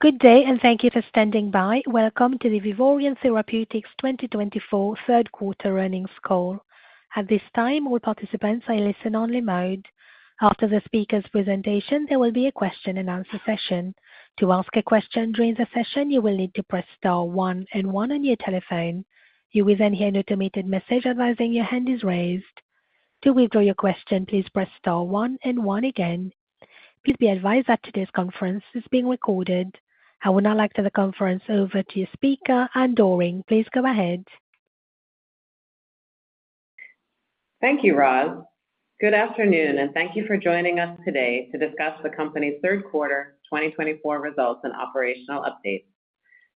Good day, and thank you for standing by. Welcome to the Vivoryon Therapeutics 2024 Third Quarter Earnings Call. At this time, all participants are in listen-only mode. After the speaker's presentation, there will be a question-and-answer session. To ask a question during the session, you will need to press star one and one on your telephone. You will then hear an automated message advising your hand is raised. To withdraw your question, please press star one and one again. Please be advised that today's conference is being recorded. I will now like to turn the conference over to your speaker, Anne Doering. Please go ahead. Thank you, Roz. Good afternoon, and thank you for joining us today to discuss the company's third quarter 2024 results and operational updates.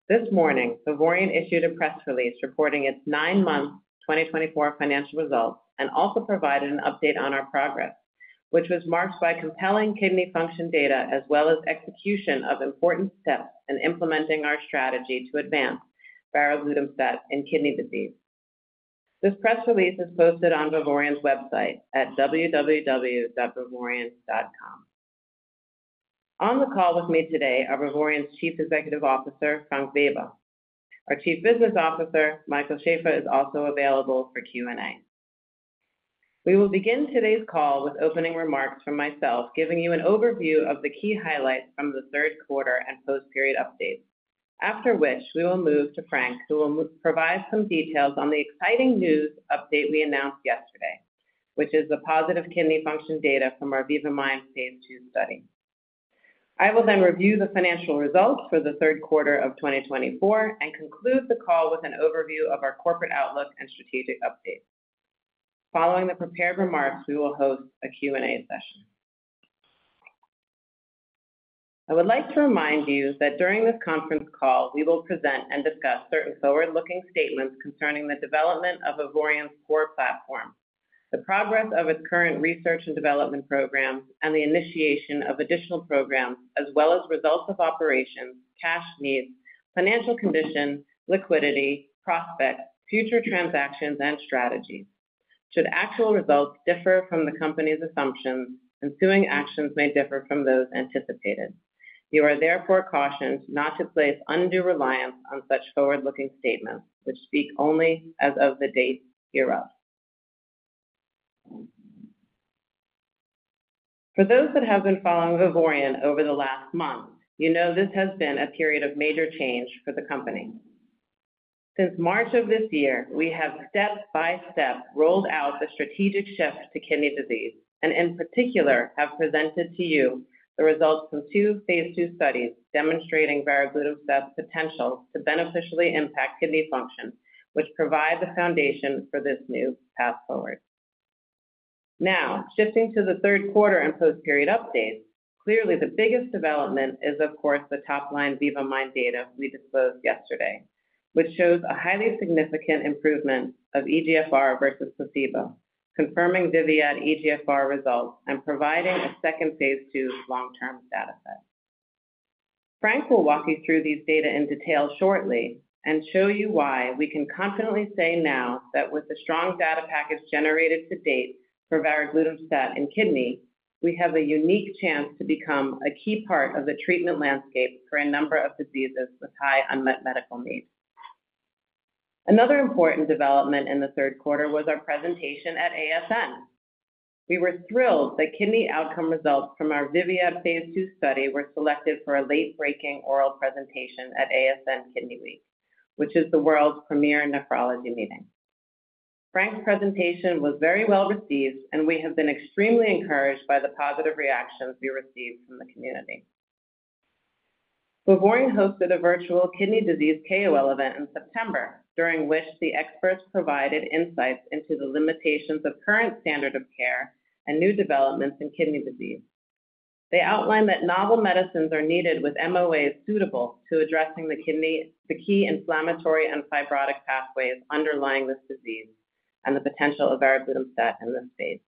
This morning, Vivoryon issued a press release reporting its nine-month 2024 financial results and also provided an update on our progress, which was marked by compelling kidney function data as well as execution of important steps in implementing our strategy to advance varoglutamstat in kidney disease. This press release is posted on Vivoryon's website at www.vivoryon.com. On the call with me today are Vivoryon's Chief Executive Officer, Frank Weber. Our Chief Business Officer, Michael Schaeffer, is also available for Q&A. We will begin today's call with opening remarks from myself, giving you an overview of the key highlights from the third quarter and post-period updates, after which we will move to Frank, who will provide some details on the exciting news update we announced yesterday, which is the positive kidney function data from our VIVA-MIND phase II study. I will then review the financial results for the third quarter of 2024 and conclude the call with an overview of our corporate outlook and strategic update. Following the prepared remarks, we will host a Q&A session. I would like to remind you that during this conference call, we will present and discuss certain forward-looking statements concerning the development of Vivoryon's core platform, the progress of its current research and development programs, and the initiation of additional programs, as well as results of operations, cash needs, financial condition, liquidity, prospects, future transactions, and strategies. Should actual results differ from the company's assumptions, ensuing actions may differ from those anticipated. You are therefore cautioned not to place undue reliance on such forward-looking statements, which speak only as of the date hereof. For those that have been following Vivoryon over the last month, you know this has been a period of major change for the company. Since March of this year, we have step by step rolled out the strategic shift to kidney disease and, in particular, have presented to you the results from two phase II studies demonstrating varoglutamstat's potential to beneficially impact kidney function, which provide the foundation for this new path forward. Now, shifting to the third quarter and post-period updates, clearly the biggest development is, of course, the top-line VIVA-MIND data we disclosed yesterday, which shows a highly significant improvement of eGFR versus placebo, confirming VIVIAD eGFR results and providing a second phase II long-term data set. Frank will walk you through these data in detail shortly and show you why we can confidently say now that with the strong data package generated to date for varoglutamstat in kidney, we have a unique chance to become a key part of the treatment landscape for a number of diseases with high unmet medical needs. Another important development in the third quarter was our presentation at ASN. We were thrilled that kidney outcome results from our VIVIAD phase II study were selected for a late-breaking oral presentation at ASN Kidney Week, which is the world's premier nephrology meeting. Frank's presentation was very well received, and we have been extremely encouraged by the positive reactions we received from the community. Vivoryon hosted a virtual kidney disease KOL event in September, during which the experts provided insights into the limitations of current standard of care and new developments in kidney disease. They outlined that novel medicines are needed with MOAs suitable to addressing the key inflammatory and fibrotic pathways underlying this disease and the potential of varoglutamstat in this phase.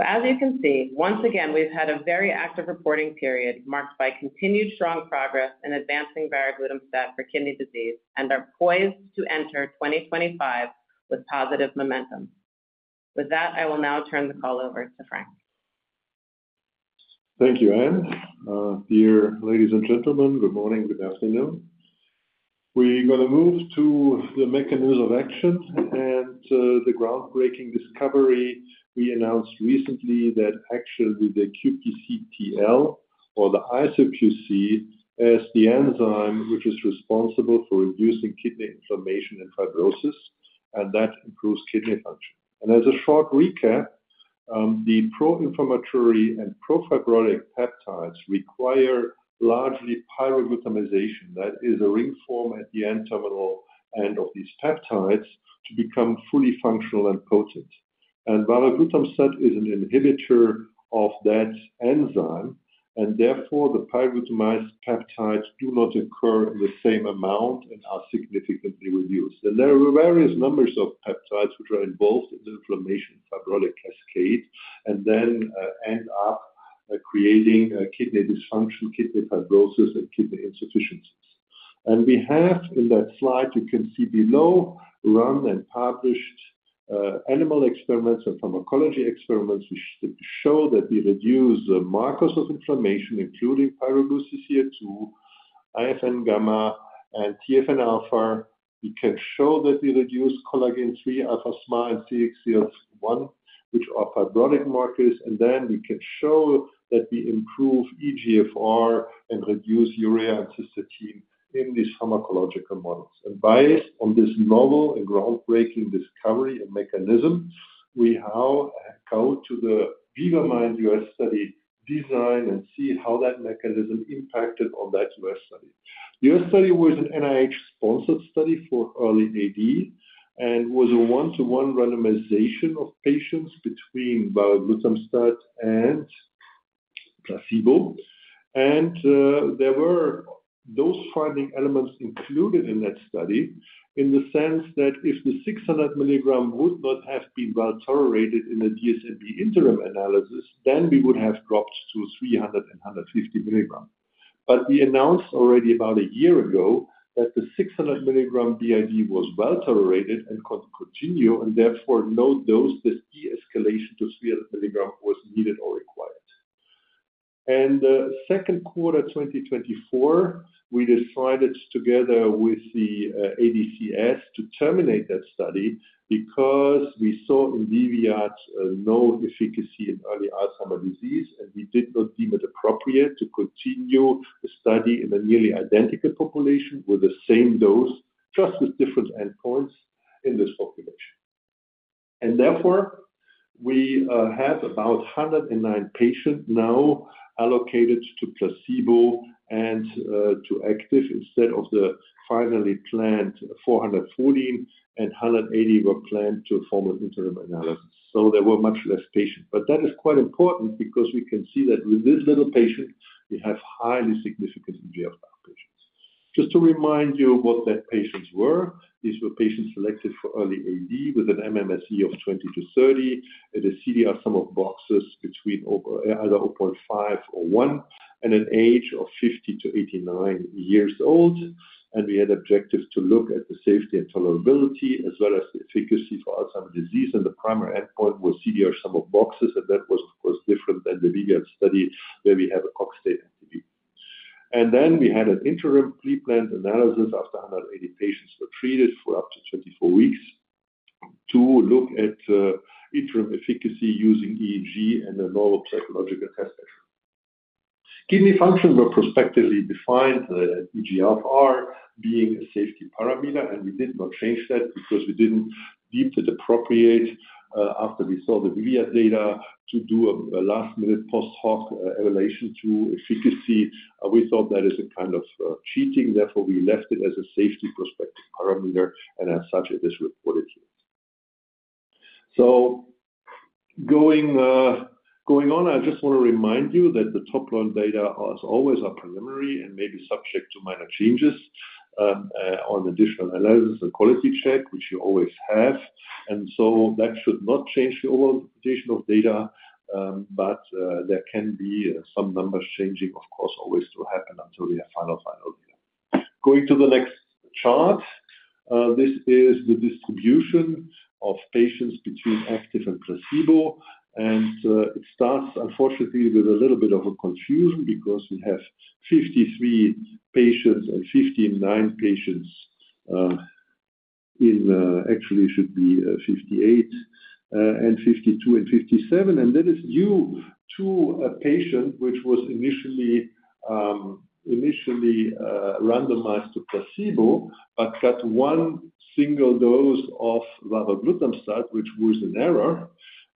As you can see, once again, we have had a very active reporting period marked by continued strong progress in advancing varoglutamstat for kidney disease and are poised to enter 2025 with positive momentum. With that, I will now turn the call over to Frank. Thank you, Anne. Dear ladies and gentlemen, good morning, good afternoon. We're going to move to the mechanism of action and the groundbreaking discovery we announced recently that actually the QPCT/L, or the isoQC, is the enzyme which is responsible for reducing kidney inflammation and fibrosis, and that improves kidney function. And as a short recap, the pro-inflammatory and pro-fibrotic peptides require largely pyroglutamylation, that is, a ring form at the N-terminal end of these peptides to become fully functional and potent. And Varoglutamstat is an inhibitor of that enzyme, and therefore the pyroglutamylated peptides do not occur in the same amount and are significantly reduced. And there are various numbers of peptides which are involved in the inflammation fibrotic cascade and then end up creating kidney dysfunction, kidney fibrosis, and kidney insufficiencies. And we have in that slide you can see below, run and published animal experiments and pharmacology experiments which show that we reduce the markers of inflammation, including pyroglutamylation, IFN-γ, and TNF-α. We can show that we reduce Collagen III, α-SMA, and CX3CL1, which are fibrotic markers, and then we can show that we improve eGFR and reduce urea and Cystatin C in these pharmacological models. And based on this novel and groundbreaking discovery and mechanism, we now go to the VIVA-MIND U.S. study design and see how that mechanism impacted on that U.S. study. The U.S. study was an NIH-sponsored study for early AD and was a one-to-one randomization of patients between varoglutamstat and placebo. And there were those finding elements included in that study in the sense that if the 600 mg would not have been well tolerated in the DSMB interim analysis, then we would have dropped to 300 mg and 150 mg. But we announced already about a year ago that the 600 mg BID was well tolerated and could continue, and therefore no dose de-escalation to 300 mg was needed or required. And the second quarter 2024, we decided together with the ADCS to terminate that study because we saw in VIVIAD no efficacy in early Alzheimer's disease, and we did not deem it appropriate to continue the study in a nearly identical population with the same dose, just with different endpoints in this population. Therefore, we have about 109 patients now allocated to placebo and to active instead of the finally planned 414, and 180 were planned for an interim analysis. There were much less patients. That is quite important because we can see that with this little patient, we have highly significant ADAS-Cog p-value. Just to remind you what those patients were, these were patients selected for early AD with an MMSE of 20 to 30, a CDR sum of boxes between either 0.5 or 1, and an age of 50-89 years old. We had objectives to look at the safety and tolerability as well as the efficacy for Alzheimer's disease, and the primary endpoint was CDR sum of boxes, and that was, of course, different than the VIVIAD study where we have an ADAS-Cog. Then we had an interim pre-planned analysis after 180 patients were treated for up to 24 weeks to look at interim efficacy using EEG and a normal psychological test. Kidney function were prospectively defined, eGFR being a safety parameter, and we did not change that because we didn't deem it appropriate after we saw the VIVIAD data to do a last-minute post-hoc evaluation to efficacy. We thought that is a kind of cheating. Therefore, we left it as a safety prospective parameter, and as such, it is reported here. Going on, I just want to remind you that the top-line data are always preliminary and may be subject to minor changes on additional analysis and quality check, which you always have. That should not change the overall interpretation of data, but there can be some numbers changing, of course, always to happen until we have final, final data. Going to the next chart, this is the distribution of patients between active and placebo, and it starts, unfortunately, with a little bit of a confusion because we have 53 patients and 59 patients. In actually should be 58 and 52 and 57, and that is due to a patient which was initially randomized to placebo but got one single dose of varoglutamstat, which was an error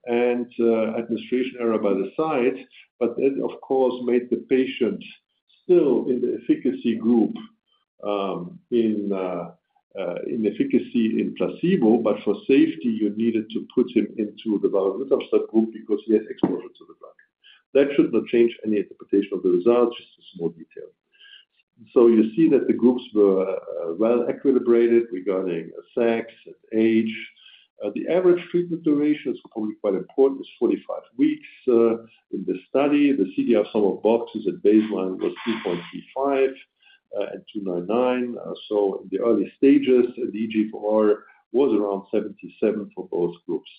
and administration error by the site. But that, of course, made the patient still in the efficacy group in efficacy in placebo, but for safety, you needed to put him into the varoglutamstat group because he had exposure to the drug. That should not change any interpretation of the results, just a small detail. So you see that the groups were well equilibrated regarding sex and age. The average treatment duration is probably quite important, is 45 weeks in the study. The CDR sum of boxes at baseline was 3.35 and 3.29. So in the early stages, the eGFR was around 77 for both groups.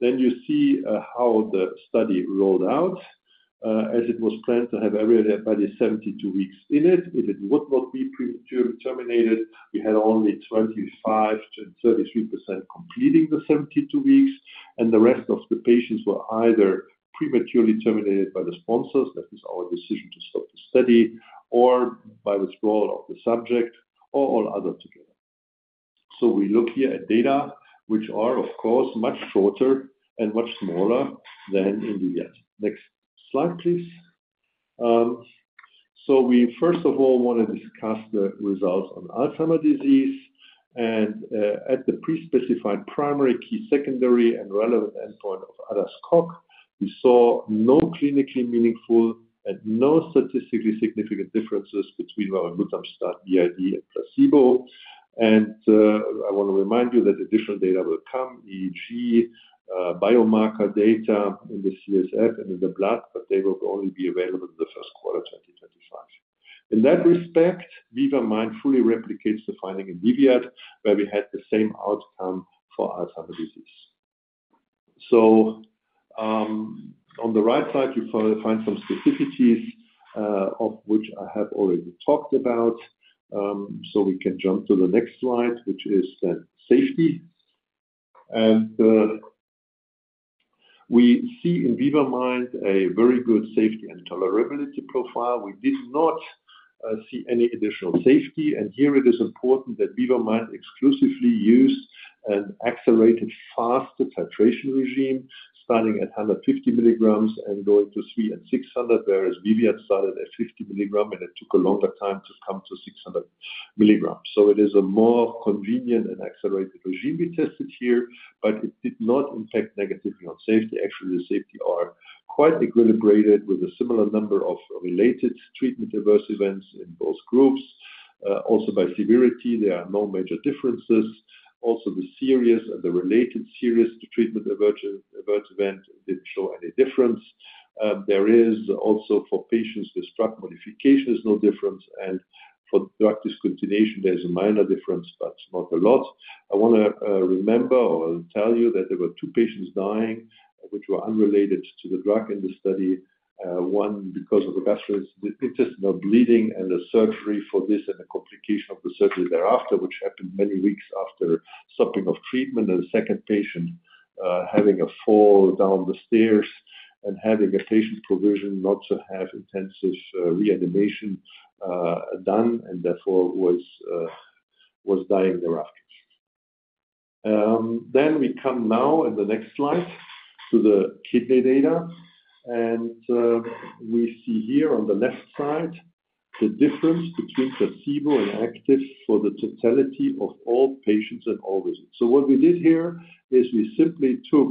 Then you see how the study rolled out as it was planned to have everybody 72 weeks in it. It would not be prematurely terminated. We had only 25%-33% completing the 72 weeks, and the rest of the patients were either prematurely terminated by the sponsors, that is, our decision to stop the study, or by withdrawal of the subject or all other together. So we look here at data, which are, of course, much shorter and much smaller than in VIVIAD. Next slide, please. So we, first of all, want to discuss the results on Alzheimer's disease. And at the pre-specified primary, key, secondary, and relevant endpoint of ADAS-Cog, we saw no clinically meaningful and no statistically significant differences between varoglutamstat, BID and placebo. And I want to remind you that additional data will come, EEG, biomarker data in the CSF and in the blood, but they will only be available in the first quarter 2025. In that respect, VIVA-MIND fully replicates the finding in VIVIAD, where we had the same outcome for Alzheimer's disease. So on the right side, you find some specificities of which I have already talked about. So we can jump to the next slide, which is safety. And we see in VIVA-MIND a very good safety and tolerability profile. We did not see any additional safety, and here it is important that VIVA-MIND exclusively used an accelerated, faster titration regime starting at 150 mg and going to 300 mg and 600 mg, whereas VIVIAD started at 50 milligram and it took a longer time to come to 600 milligram. So it is a more convenient and accelerated regime we tested here, but it did not impact negatively on safety. Actually, the safety are quite equilibrated with a similar number of related treatment adverse events in both groups. Also by severity, there are no major differences. Also, the serious and the related serious treatment adverse event didn't show any difference. There is also for patients with drug modification, there is no difference, and for drug discontinuation, there is a minor difference, but not a lot. I want to remind you that there were two patients dying which were unrelated to the drug in the study, one because of gastrointestinal bleeding and a surgery for this and a complication of the surgery thereafter, which happened many weeks after stopping of treatment, and the second patient having a fall down the stairs and having a patient's provision not to have intensive reanimation done and therefore was dying thereafter. Then we come now in the next slide to the kidney data, and we see here on the left side the difference between placebo and active for the totality of all patients and all visits. So what we did here is we simply took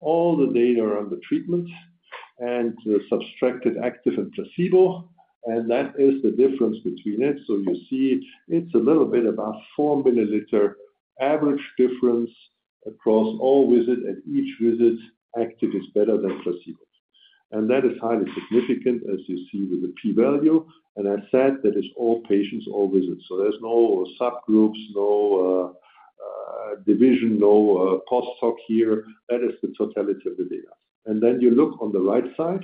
all the data around the treatment and subtracted active and placebo, and that is the difference between it. So you see it's a little bit about 4 mL average difference across all visits. At each visit, active is better than placebo. And that is highly significant, as you see with the p-value. And I said that is all patients, all visits. So there's no subgroups, no division, no post hoc here. That is the totality of the data. And then you look on the right side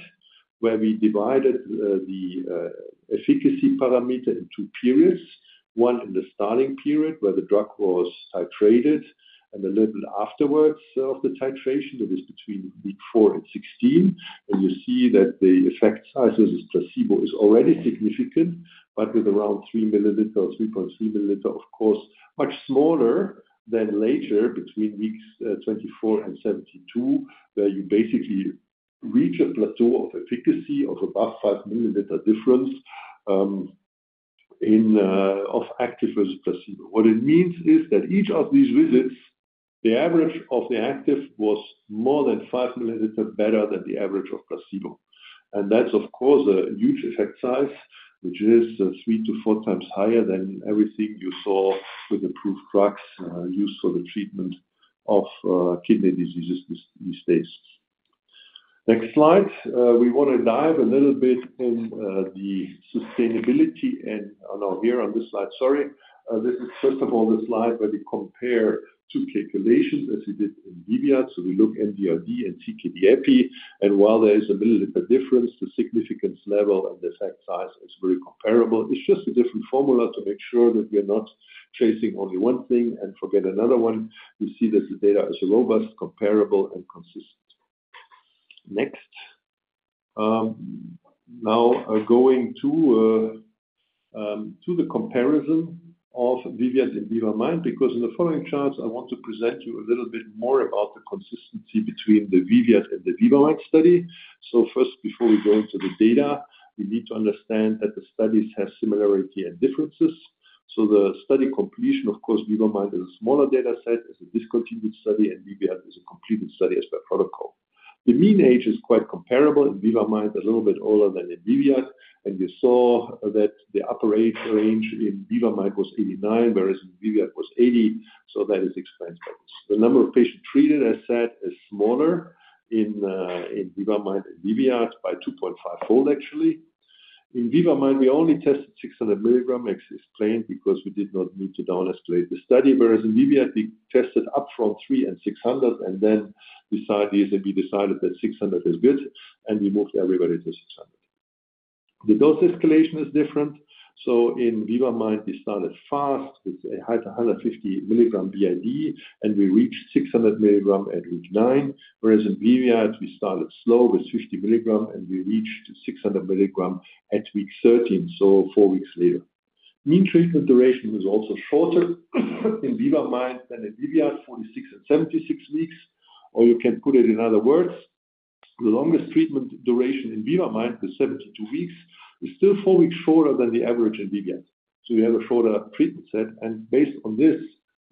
where we divided the efficacy parameter into periods, one in the starting period where the drug was titrated and a little afterwards of the titration, that is between week 4 and 16. And you see that the effect size versus placebo is already significant, but with around 3 mL, 3.3 mL, of course, much smaller than later between weeks 24 and 72, where you basically reach a plateau of efficacy of above 5 mL difference of active versus placebo. What it means is that each of these visits, the average of the active was more than 5 mL better than the average of placebo. And that's, of course, a huge effect size, which is three to four times higher than everything you saw with approved drugs used for the treatment of kidney diseases these days. Next slide. We want to dive a little bit in the sustainability and now here on this slide, sorry. This is, first of all, the slide where we compare two calculations as we did in VIVIAD. So we look at MDRD and CKD-EPI, and while there is 1 mL difference, the significance level and the effect size is very comparable. It's just a different formula to make sure that we're not chasing only one thing and forget another one. We see that the data is robust, comparable, and consistent. Next. Now going to the comparison of VIVIAD and VIVA-MIND because in the following charts, I want to present you a little bit more about the consistency between the VIVIAD and the VIVA-MIND study. So first, before we go into the data, we need to understand that the studies have similarity and differences. So the study completion, of course, VIVA-MIND is a smaller data set, it's a discontinued study, and VIVIAD is a completed study as per protocol. The mean age is quite comparable in VIVA-MIND a little bit older than in VIVIAD, and you saw that the upper age range in VIVA-MIND was 89, whereas in VIVIAD was 80. So that is explained by this. The number of patients treated, I said, is smaller in VIVA-MIND and VIVIAD by 2.5-fold, actually. In VIVA-MIND, we only tested 600 mg, as explained, because we did not need to down-escalate the study, whereas in VIVIAD, we tested up from 300 mg and 600 mg, and then we decided that 600 mg is good, and we moved everybody to 600 mg. The dose escalation is different. So in VIVA-MIND, we started fast with 150 mg BID, and we reached 600 mg at week nine, whereas in VIVIAD, we started slow with 50 mg, and we reached 600 mg at week 13, so four weeks later. Mean treatment duration was also shorter in VIVA-MIND than in VIVIAD, 46 and 76 weeks. Or you can put it in other words, the longest treatment duration in VIVA-MIND, the 72 weeks, is still four weeks shorter than the average in VIVIAD. So we have a shorter treatment set. Based on this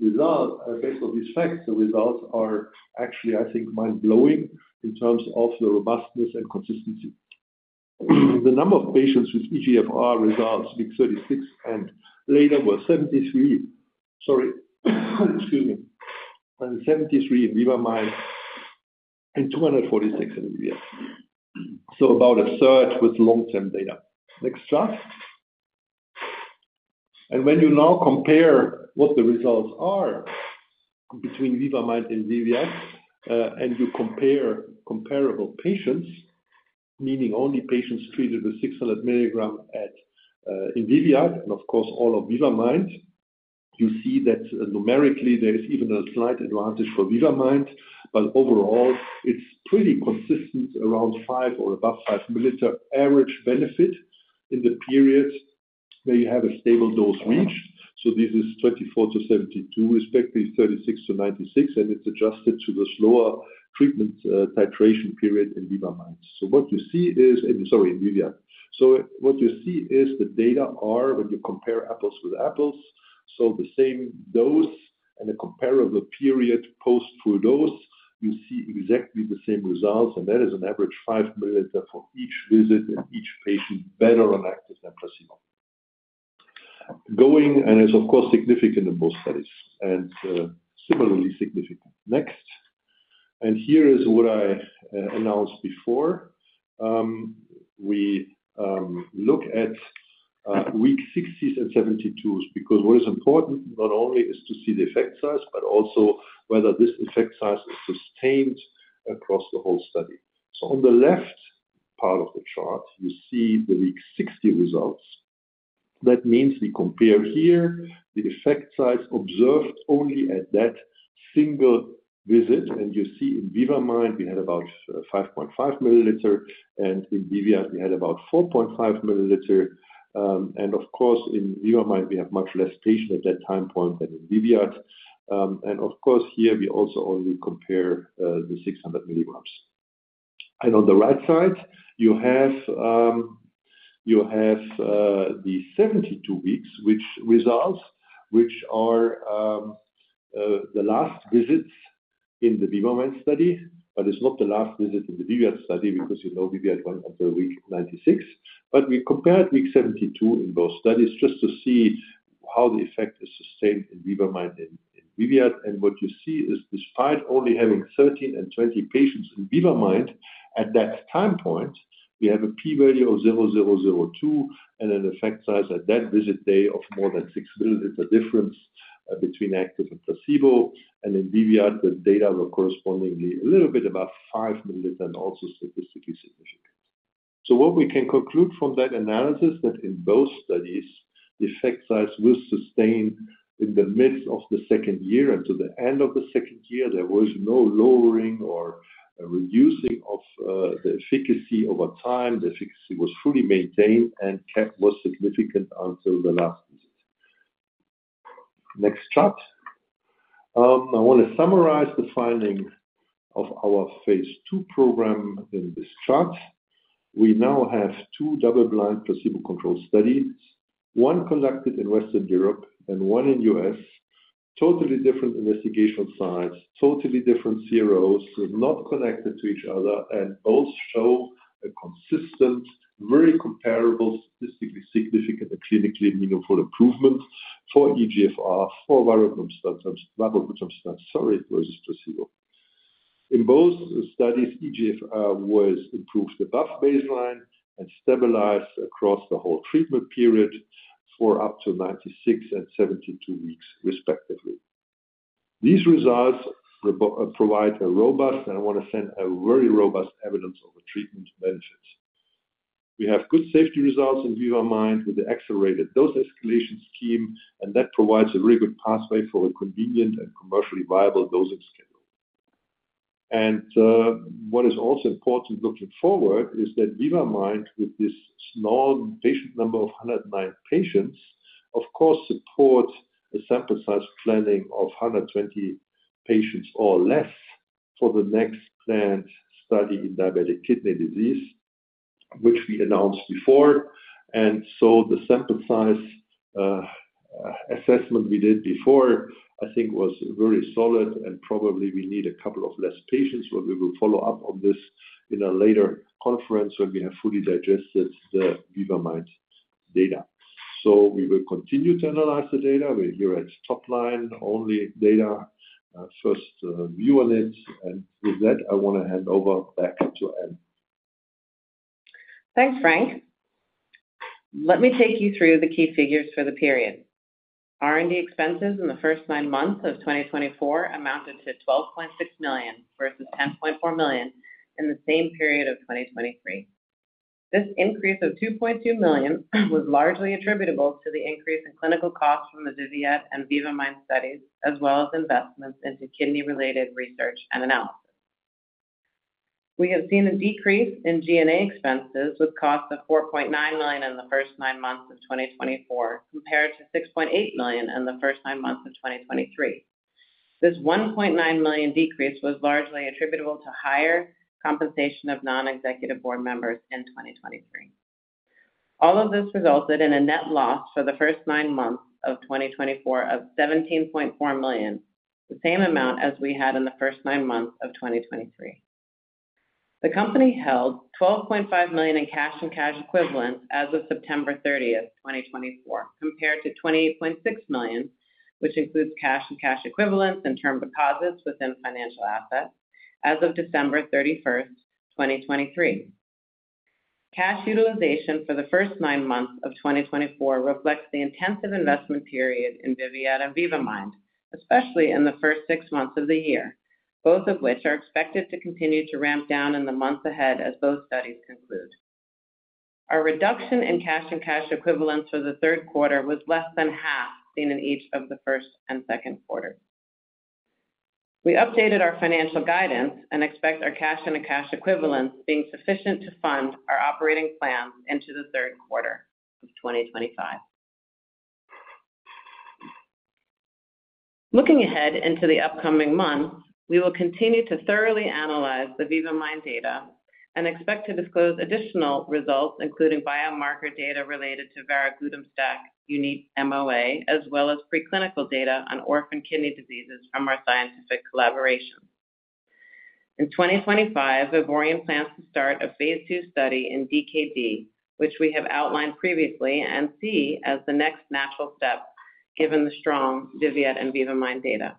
result, based on these facts, the results are actually, I think, mind-blowing in terms of the robustness and consistency. The number of patients with eGFR results week 36 and later were 73, sorry, excuse me, and 73 in VIVA-MIND and 246 in VIVIAD. So about a third with long-term data. Next chart. When you now compare what the results are between VIVA-MIND and VIVIAD, and you compare comparable patients, meaning only patients treated with 600 mg in VIVIAD and, of course, all of VIVA-MIND, you see that numerically there is even a slight advantage for VIVA-MIND, but overall, it's pretty consistent, around five or above 5 mL average benefit in the period where you have a stable dose reached. This is 24-72, respectively, 36-96, and it's adjusted to the slower treatment titration period in VIVA-MIND. So what you see is, sorry, in VIVIAD. So what you see is the data are when you compare apples with apples, so the same dose and a comparable period post-full dose, you see exactly the same results, and that is an average 5 mL for each visit and each patient better on active than placebo. Going, and it's, of course, significant in both studies and similarly significant. Next. And here is what I announced before. We look at week 60s and 72s because what is important not only is to see the effect size, but also whether this effect size is sustained across the whole study. So on the left part of the chart, you see the week 60 results. That means we compare here the effect size observed only at that single visit, and you see in VIVA-MIND, we had about 5.5 mL, and in VIVIAD, we had about 4.5 mL. And, of course, in VIVA-MIND, we have much less patients at that time point than in VIVIAD. And, of course, here we also only compare the 600 mg. And on the right side, you have the 72 weeks results, which are the last visits in the VIVA-MIND study, but it's not the last visit in the VIVIAD study because VIVIAD went until week 96. But we compared week 72 in both studies just to see how the effect is sustained in VIVA-MIND and in VIVIAD. What you see is, despite only having 13 and 20 patients in VIVA-MIND, at that time point, we have a p-value of 0.002 and an effect size at that visit day of more than 6 mL difference between active and placebo. In VIVIAD, the data were correspondingly a little bit about 5 mL and also statistically significant. What we can conclude from that analysis is that in both studies, the effect size was sustained in the midst of the second year and to the end of the second year. There was no lowering or reducing of the efficacy over time. The efficacy was fully maintained and was significant until the last visit. Next chart. I want to summarize the finding of our phase II program in this chart. We now have two double-blind placebo-controlled studies, one conducted in Western Europe and one in the U.S., totally different investigational sites, totally different CROs, not connected to each other, and both show a consistent, very comparable, statistically significant, and clinically meaningful improvement for eGFR for varoglutamstat, sorry, versus placebo. In both studies, eGFR was improved above baseline and stabilized across the whole treatment period for up to 96 and 72 weeks, respectively. These results provide a robust, and I want to say a very robust, evidence of the treatment benefits. We have good safety results in VIVA-MIND with the accelerated dose escalation scheme, and that provides a very good pathway for a convenient and commercially viable dosing schedule. And what is also important looking forward is that VIVA-MIND, with this small patient number of 109 patients, of course, supports a sample size planning of 120 patients or less for the next planned study in diabetic kidney disease, which we announced before. And so the sample size assessment we did before, I think, was very solid, and probably we need a couple of less patients, but we will follow up on this in a later conference when we have fully digested the VIVA-MIND data. So we will continue to analyze the data. We're here at top line only data, first view on it, and with that, I want to hand over back to Anne. Thanks, Frank. Let me take you through the key figures for the period. R&D expenses in the first nine months of 2024 amounted to 12.6 million versus 10.4 million in the same period of 2023. This increase of 2.2 million was largely attributable to the increase in clinical costs from the VIVIAD and VIVA-MIND studies, as well as investments into kidney-related research and analysis. We have seen a decrease in G&A expenses with costs of 4.9 million in the first nine months of 2024 compared to 6.8 million in the first nine months of 2023. This 1.9 million decrease was largely attributable to higher compensation of non-executive board members in 2023. All of this resulted in a net loss for the first nine months of 2024 of 17.4 million, the same amount as we had in the first nine months of 2023. The company held 12.5 million in cash and cash equivalents as of September 30th, 2024, compared to 28.6 million, which includes cash and cash equivalents and term deposits within financial assets as of December 31st, 2023. Cash utilization for the first nine months of 2024 reflects the intensive investment period in VIVIAD and VIVA-MIND, especially in the first six months of the year, both of which are expected to continue to ramp down in the months ahead as both studies conclude. Our reduction in cash and cash equivalents for the third quarter was less than half, seen in each of the first and second quarters. We updated our financial guidance and expect our cash and cash equivalents being sufficient to fund our operating plans into the third quarter of 2025. Looking ahead into the upcoming months, we will continue to thoroughly analyze the VIVA-MIND data and expect to disclose additional results, including biomarker data related to varoglutamstat unique MOA, as well as preclinical data on orphan kidney diseases from our scientific collaboration. In 2025, Vivoryon plans to start a phase II study in DKD, which we have outlined previously and see as the next natural step given the strong VIVIAD and VIVA-MIND data.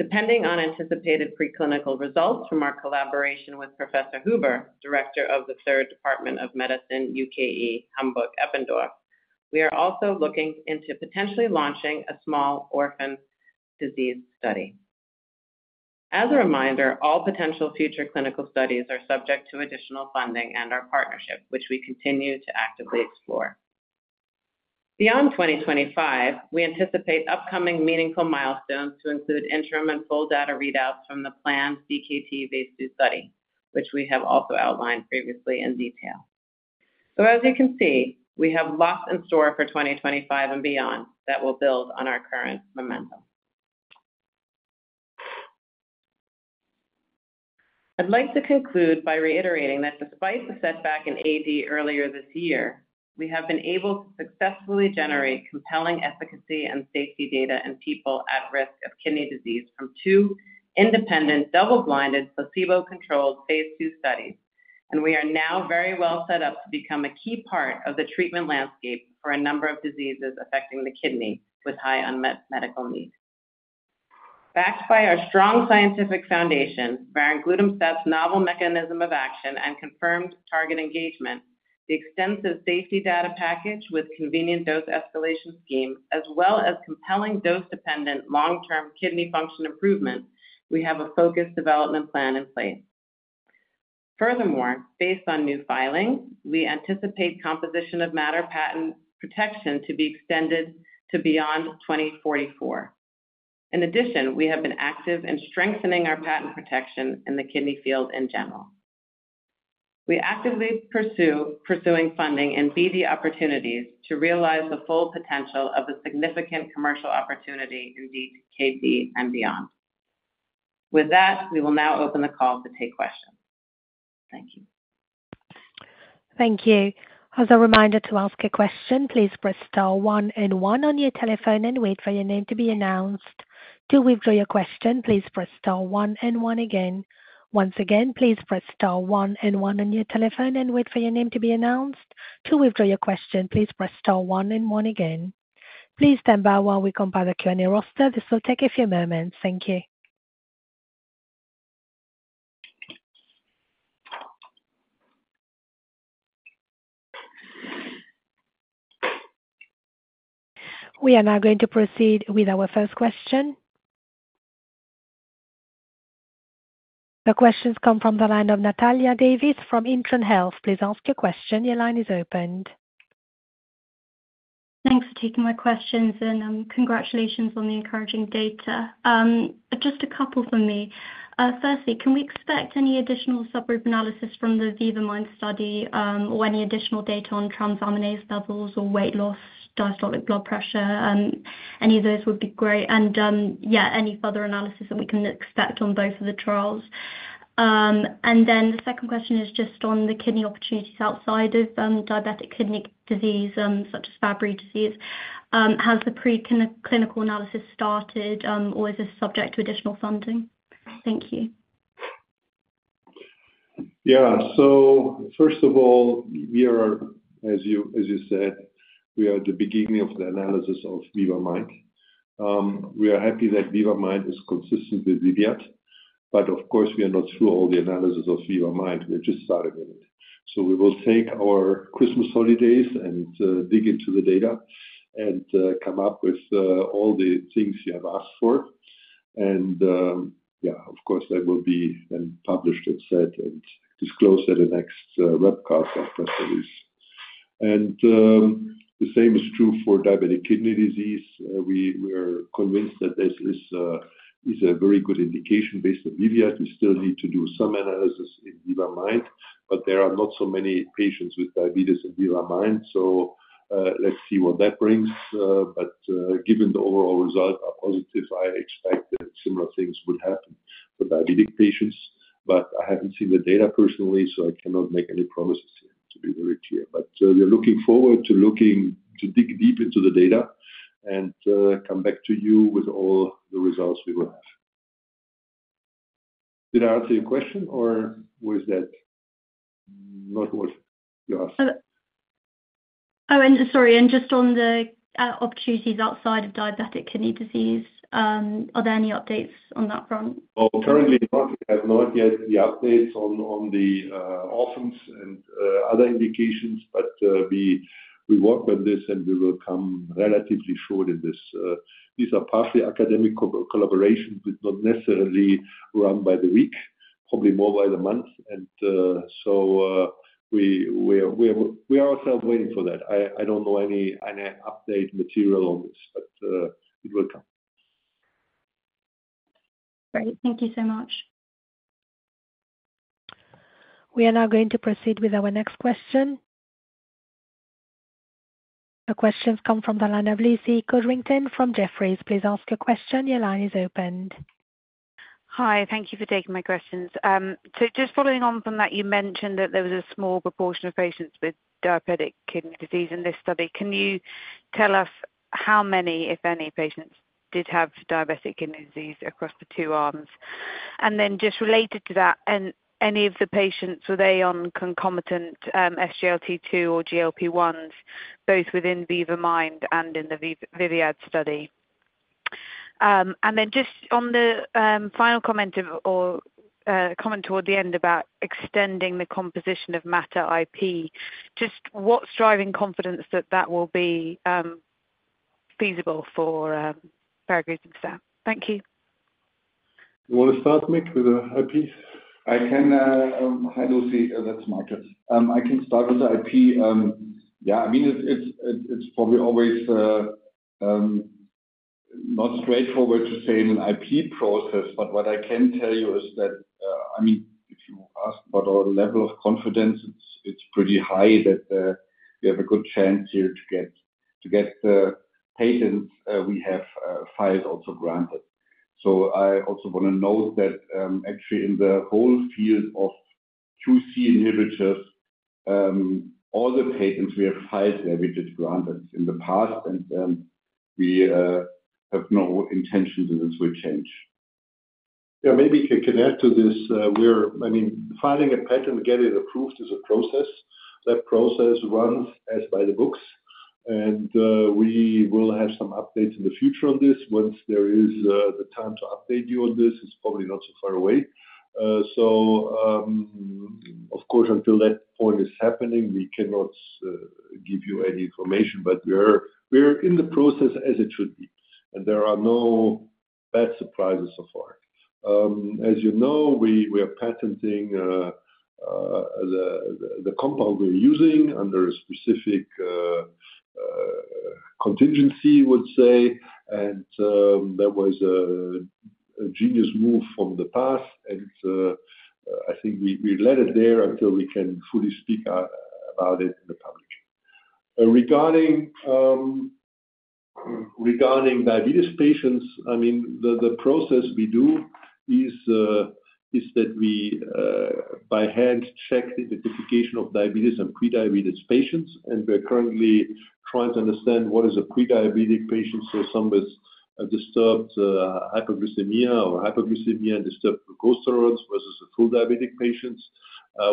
Depending on anticipated preclinical results from our collaboration with Professor Huber, Director of the Third Department of Medicine, UKE Hamburg-Eppendorf, we are also looking into potentially launching a small orphan disease study. As a reminder, all potential future clinical studies are subject to additional funding and our partnership, which we continue to actively explore. Beyond 2025, we anticipate upcoming meaningful milestones to include interim and full data readouts from the planned DKD phase II study, which we have also outlined previously in detail. As you can see, we have lots in store for 2025 and beyond that will build on our current momentum. I'd like to conclude by reiterating that despite the setback in AD earlier this year, we have been able to successfully generate compelling efficacy and safety data in people at risk of kidney disease from two independent double-blinded placebo-controlled phase II studies, and we are now very well set up to become a key part of the treatment landscape for a number of diseases affecting the kidney with high unmet medical needs. Backed by our strong scientific foundation, varoglutamstat's novel mechanism of action and confirmed target engagement, the extensive safety data package with convenient dose escalation scheme, as well as compelling dose-dependent long-term kidney function improvement, we have a focused development plan in place. Furthermore, based on new filings, we anticipate composition of matter patent protection to be extended to beyond 2044. In addition, we have been active in strengthening our patent protection in the kidney field in general. We actively pursue funding and BD opportunities to realize the full potential of the significant commercial opportunity in DKD and beyond. With that, we will now open the call to take questions. Thank you. Thank you. As a reminder to ask a question, please press star one and one on your telephone and wait for your name to be announced. To withdraw your question, please press star one and one again. Once again, please press star one and one on your telephone and wait for your name to be announced. To withdraw your question, please press star one and one again. Please stand by while we compile the Q&A roster. This will take a few moments. Thank you. We are now going to proceed with our first question. The question comes from the line of Natalya Davies from Intron Health. Please ask your question. Your line is open. Thanks for taking my questions, and congratulations on the encouraging data. Just a couple for me. Firstly, can we expect any additional subgroup analysis from the VIVA-MIND study or any additional data on transaminase levels or weight loss, diastolic blood pressure? Any of those would be great. And yeah, any further analysis that we can expect on both of the trials. And then the second question is just on the kidney opportunities outside of diabetic kidney disease, such as Fabry disease. Has the preclinical analysis started, or is this subject to additional funding? Thank you. Yeah. So first of all, we are, as you said, we are at the beginning of the analysis of VIVA-MIND. We are happy that VIVA-MIND is consistent with VIVIAD, but of course, we are not through all the analysis of VIVA-MIND. We're just starting with it. So we will take our Christmas holidays and dig into the data and come up with all the things you have asked for. And yeah, of course, that will be then published and said and disclosed at the next webcast of press release. And the same is true for diabetic kidney disease. We are convinced that this is a very good indication based on VIVIAD. We still need to do some analysis in VIVA-MIND, but there are not so many patients with diabetes in VIVA-MIND, so let's see what that brings. But given the overall results are positive, I expect that similar things would happen for diabetic patients, but I haven't seen the data personally, so I cannot make any promises here, to be very clear. But we are looking forward to digging deep into the data and come back to you with all the results we will have. Did I answer your question, or was that not what you asked? Oh, and sorry, and just on the opportunities outside of diabetic kidney disease, are there any updates on that front? Currently, we have not yet the updates on the orphans and other indications, but we work on this, and we will come relatively short in this. These are partially academic collaborations, not necessarily run by the week, probably more by the month. And so we are also waiting for that. I don't know any update material on this, but it will come. Great. Thank you so much. We are now going to proceed with our next question. The questions come from Lucy Codrington from Jefferies. Please ask your question. Your line is opened. Hi. Thank you for taking my questions. So just following on from that, you mentioned that there was a small proportion of patients with diabetic kidney disease in this study. Can you tell us how many, if any, patients did have diabetic kidney disease across the two arms? And then just related to that, any of the patients, were they on concomitant SGLT2 or GLP-1s, both within VIVA-MIND and in the VIVIAD study? And then just on the final comment or comment toward the end about extending the composition of matter IP, just what's driving confidence that that will be feasible for varoglutamstat? Thank you. You want to start, Mick, with the IPs? I can. Hi, Lucy. This is Michael. I can start with the IP. Yeah, I mean, it's probably always not straightforward to say in an IP process, but what I can tell you is that, I mean, if you ask about our level of confidence, it's pretty high that we have a good chance here to get the patents we have filed also granted. So I also want to note that actually in the whole field of QC inhibitors, all the patents we have filed have been granted in the past, and we have no intention that this will change. Yeah, maybe I can add to this. I mean, filing a patent to get it approved is a process. That process runs as by the books, and we will have some updates in the future on this. Once there is the time to update you on this, it's probably not so far away. So, of course, until that point is happening, we cannot give you any information, but we're in the process as it should be, and there are no bad surprises so far. As you know, we are patenting the compound we're using under a specific contingency, let's say, and that was a genius move from the past, and I think we let it there until we can fully speak about it in the public. Regarding diabetes patients, I mean, the process we do is that we by hand check the identification of diabetes and prediabetes patients, and we're currently trying to understand what is a prediabetic patient, so some with disturbed hypoglycemia or hypoglycemia and disturbed glucose tolerance versus the full diabetic patients.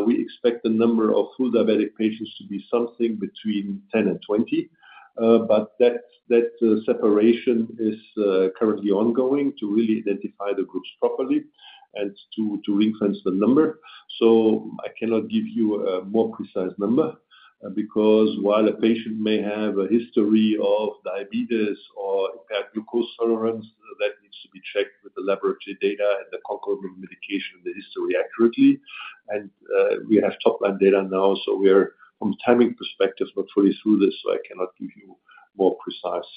We expect the number of full diabetic patients to be something between 10 and 20, but that separation is currently ongoing to really identify the groups properly and to reinforce the number, so I cannot give you a more precise number because while a patient may have a history of diabetes or impaired glucose tolerance, that needs to be checked with the laboratory data and the concomitant medication and the history accurately, and we have top-line data now, so we're, from a timing perspective, not fully through this, so I cannot give you more precise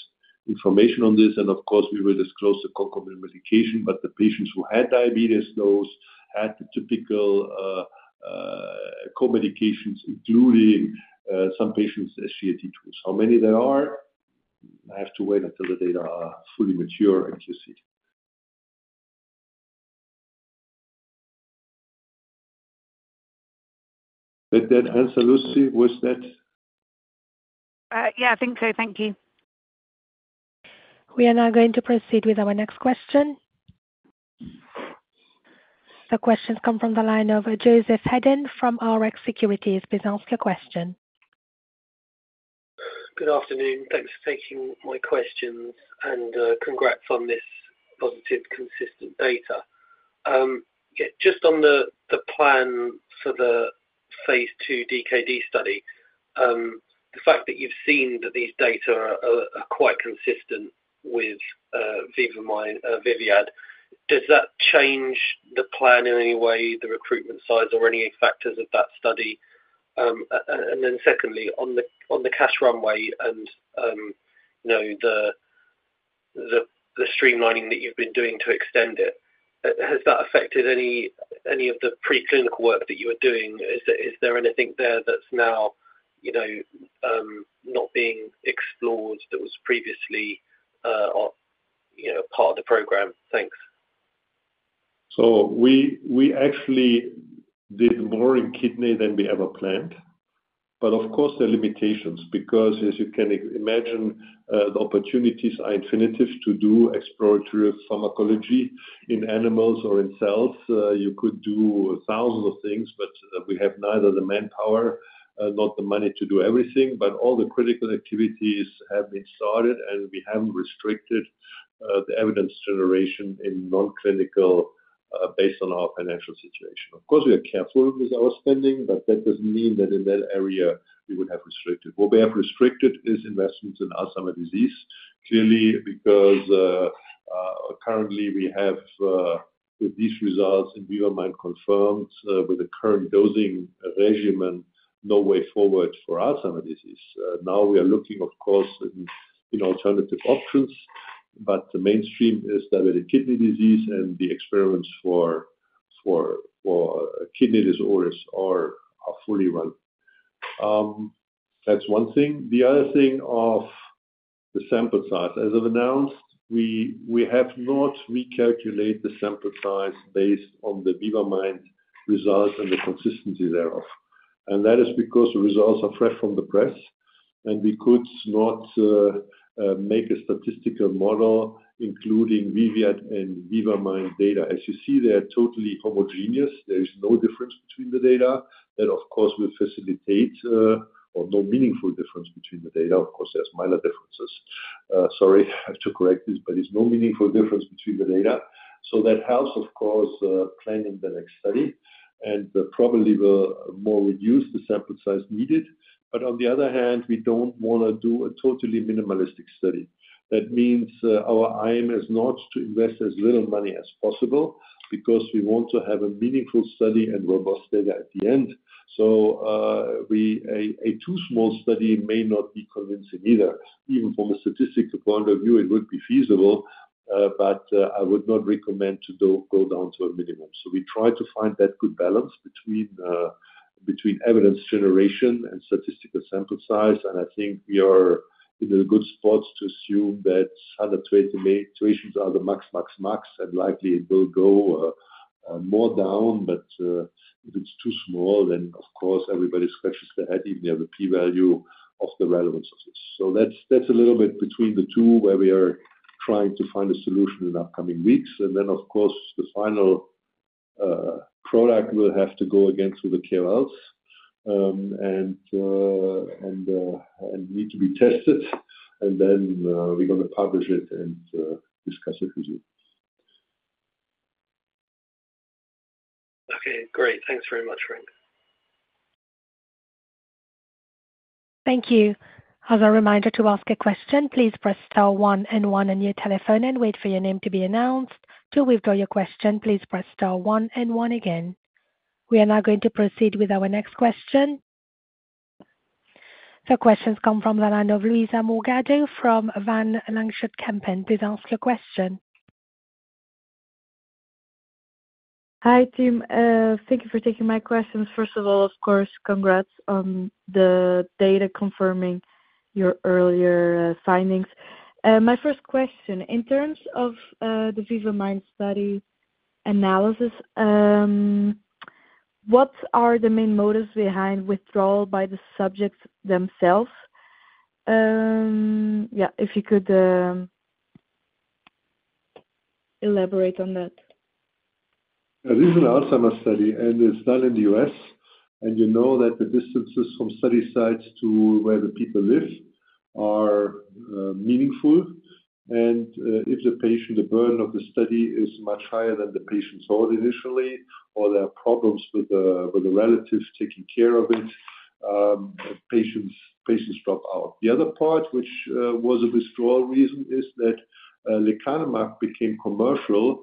information on this. Of course, we will disclose the concomitant medication, but the patients who had diabetes did have the typical co-medications, including some patients' SGLT2s. How many there are, I have to wait until the data are fully mature and QC. Did that answer, Lucy? Was that? Yeah, I think so. Thank you. We are now going to proceed with our next question. The questions come from the line of Joseph Hedden from Rx Securities. Please ask your question. Good afternoon. Thanks for taking my questions and congrats on this positive, consistent data. Just on the plan for the phase II DKD study, the fact that you've seen that these data are quite consistent with VIVIAD, does that change the plan in any way, the recruitment size or any factors of that study? And then secondly, on the cash runway and the streamlining that you've been doing to extend it, has that affected any of the preclinical work that you were doing? Is there anything there that's now not being explored that was previously part of the program? Thanks. We actually did more in kidney than we ever planned, but of course, there are limitations because, as you can imagine, the opportunities are infinite to do exploratory pharmacology in animals or in cells. You could do thousands of things, but we have neither the manpower nor the money to do everything, but all the critical activities have been started, and we haven't restricted the evidence generation in non-clinical based on our financial situation. Of course, we are careful with our spending, but that doesn't mean that in that area we would have restricted. What we have restricted is investments in Alzheimer's disease, clearly, because currently we have these results and VIVA-MIND confirmed with the current dosing regimen. No way forward for Alzheimer's disease. Now we are looking, of course, in alternative options, but the mainstream is diabetic kidney disease, and the experiments for kidney disorders are fully run. That's one thing. The other thing of the sample size, as I've announced, we have not recalculated the sample size based on the VIVA-MIND results and the consistency thereof, and that is because the results are fresh from the press, and we could not make a statistical model including VIVIAD and VIVA-MIND data. As you see, they are totally homogeneous. There is no difference between the data that, of course, will facilitate or no meaningful difference between the data. Of course, there's minor differences. Sorry to correct this, but there's no meaningful difference between the data, so that helps, of course, planning the next study, and probably will more reduce the sample size needed, but on the other hand, we don't want to do a totally minimalistic study. That means our aim is not to invest as little money as possible because we want to have a meaningful study and robust data at the end. So a too small study may not be convincing either. Even from a statistical point of view, it would be feasible, but I would not recommend to go down to a minimum. So we try to find that good balance between evidence generation and statistical sample size, and I think we are in a good spot to assume that other two situations are the max, max, max, and likely it will go more down, but if it's too small, then, of course, everybody scratches their head even near the p-value of the relevance of this. So that's a little bit between the two where we are trying to find a solution in the upcoming weeks. Then, of course, the final product will have to go again through the KOLs and need to be tested, and then we're going to publish it and discuss it with you. Okay. Great. Thanks very much, Frank. Thank you. As a reminder to ask a question, please press star one and one on your telephone and wait for your name to be announced. To withdraw your question, please press star one and one again. We are now going to proceed with our next question. The question comes from Luísa Morgado from Van Lanschot Kempen. Please ask your question. Hi, team. Thank you for taking my questions. First of all, of course, congrats on the data confirming your earlier findings. My first question, in terms of the VIVA-MIND study analysis, what are the main motives behind withdrawal by the subjects themselves? Yeah, if you could elaborate on that. This is an Alzheimer's study, and it's done in the U.S., and you know that the distances from study sites to where the people live are meaningful, and if the patient, the burden of the study is much higher than the patient thought initially, or there are problems with the relative taking care of it, patients drop out. The other part, which was a withdrawal reason, is that lecanemab became commercial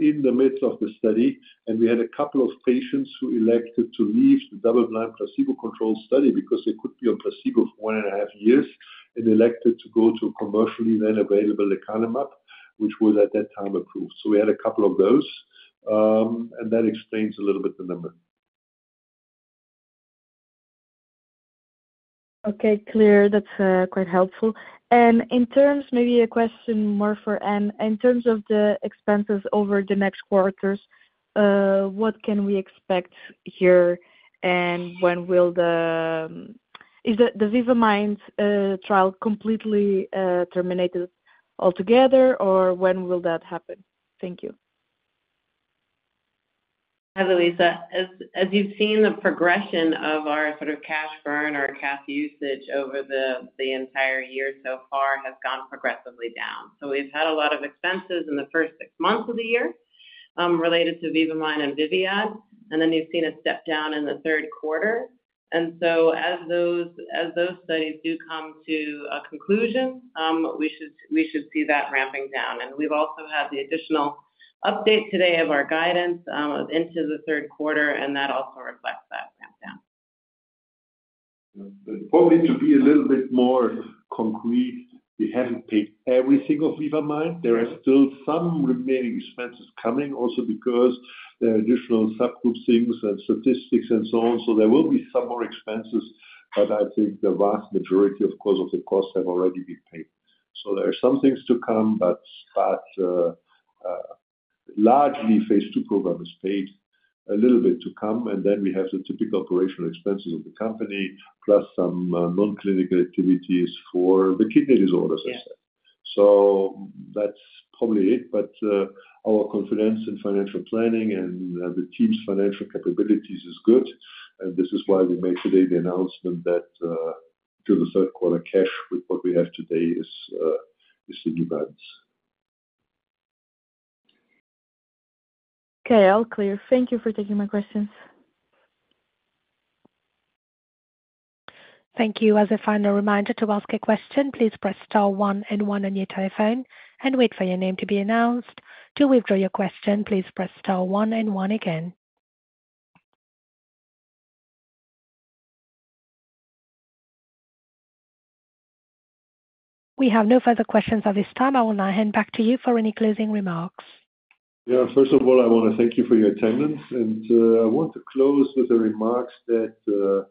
in the midst of the study, and we had a couple of patients who elected to leave the double-blind placebo-controlled study because they could be on placebo for one and a half years and elected to go to commercially then available lecanemab, which was at that time approved, so we had a couple of those, and that explains a little bit the number. Okay. Clear. That's quite helpful. And in terms, maybe a question more for Anne, in terms of the expenses over the next quarters, what can we expect here and when will the VIVA-MIND trial completely terminated altogether, or when will that happen? Thank you. Hi, Luísa. As you've seen, the progression of our sort of cash burn or cash usage over the entire year so far has gone progressively down. So we've had a lot of expenses in the first six months of the year related to VIVA-MIND and VIVIAD, and then you've seen a step down in the third quarter. And so as those studies do come to a conclusion, we should see that ramping down. And we've also had the additional update today of our guidance into the third quarter, and that also reflects that ramp down. Probably to be a little bit more concrete, we haven't paid everything of VIVA-MIND. There are still some remaining expenses coming also because there are additional subgroup things and statistics and so on. So there will be some more expenses, but I think the vast majority, of course, of the costs have already been paid. So there are some things to come, but largely phase II program is paid a little bit to come. And then we have the typical operational expenses of the company plus some non-clinical activities for the kidney disorders, I said. So that's probably it, but our confidence in financial planning and the team's financial capabilities is good, and this is why we made today the announcement that through the third quarter cash with what we have today is the new guidance. Okay. All clear. Thank you for taking my questions. Thank you. As a final reminder to ask a question, please press star one and one on your telephone and wait for your name to be announced. To withdraw your question, please press star one and one again. We have no further questions at this time. I will now hand back to you for any closing remarks. Yeah. First of all, I want to thank you for your attendance, and I want to close with a remark that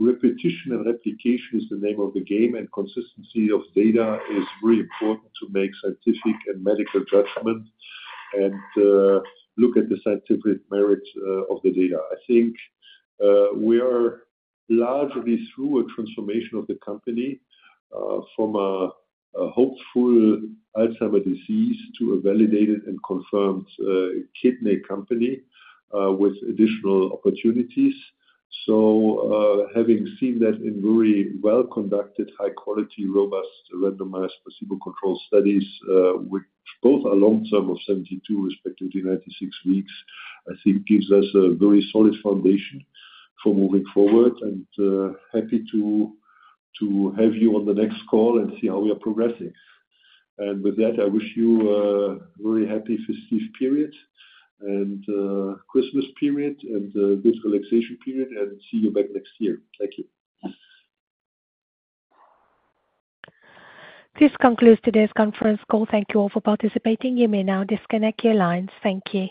repetition and replication is the name of the game, and consistency of data is really important to make scientific and medical judgment and look at the scientific merit of the data. I think we are largely through a transformation of the company from a hopeful Alzheimer's disease to a validated and confirmed kidney company with additional opportunities. So having seen that in very well-conducted, high-quality, robust, randomized placebo-controlled studies, which both are long-term of 72 respective to 96 weeks, I think gives us a very solid foundation for moving forward, and happy to have you on the next call and see how we are progressing, and with that, I wish you a very happy festive period and Christmas period and good relaxation period, and see you back next year. Thank you. This concludes today's conference call. Thank you all for participating. You may now disconnect your lines. Thank you.